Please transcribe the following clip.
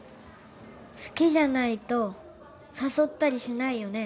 好きじゃないと誘ったりしないよね？